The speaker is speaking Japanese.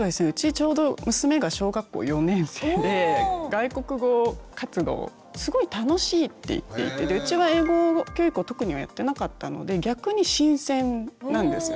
外国語活動「すごい楽しい」って言っていてうちは英語教育を特にはやってなかったので逆に新鮮なんですね